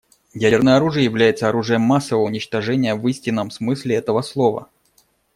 Ядерное оружие является оружием массового уничтожения в истинном смысле этого слова.